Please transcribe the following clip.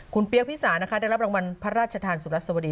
คุณเปี๊ยกพี่สานะคะได้รับรางวัลพระราชธรรม์สุพธิสวรรค์สวรรค์